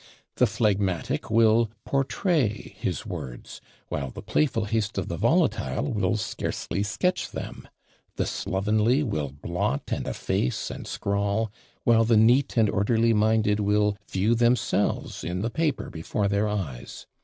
The phlegmatic will portray his words, while the playful haste of the volatile will scarcely sketch them; the slovenly will blot and efface and scrawl, while the neat and orderly minded will view themselves in the paper before their eyes.